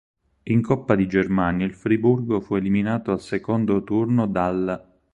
In coppa di Germania il Friburgo fu eliminato al secondo turno dall'.